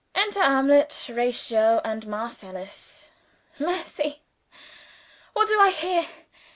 ("Enter Hamlet, Horatio, and Marcellus.") Mercy! what do I hear?